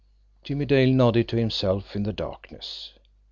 Jimmie Dale nodded to himself in the darkness.